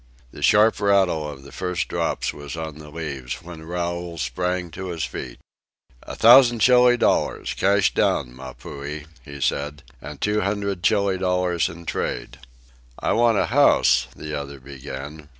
The sharp rattle of the first drops was on the leaves when Raoul sprang to his feet. "A thousand Chili dollars, cash down, Mapuhi," he said. "And two hundred Chili dollars in trade." "I want a house " the other began.